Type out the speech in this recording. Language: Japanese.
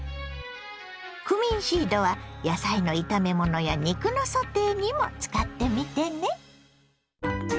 クミンシードは野菜の炒め物や肉のソテーにも使ってみてね。